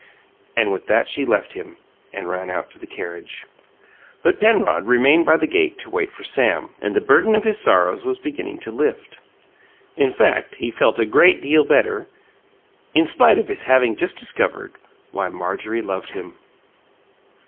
And with that, she left him, and ran out to the carriage. But Penrod remained by the gate to wait for Sam, and the burden of his sorrows was beginning to lift. In fact, he felt a great deal better, in spite of his having just discovered why Marjorie loved him.